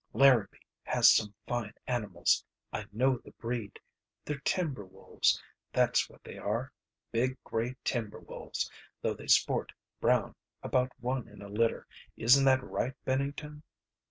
Larabee has some fine animals. I know the breed. They're timber wolves, that's what they are, big grey timber wolves, though they sport brown about one in a litter isn't that right, Bennington?"